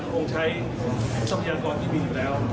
คงใช้ทรัพยากรที่มีอยู่แล้ว